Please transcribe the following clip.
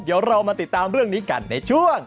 เดี๋ยวเรามาติดตามเรื่องนี้กันในช่วง